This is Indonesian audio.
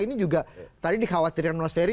ini juga tadi dikhawatirkan mas ferry